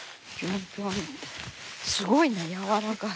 すごいねやわらかい。